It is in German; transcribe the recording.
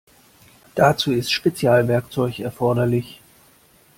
Dazu ist Spezialwerkzeug erforderlich.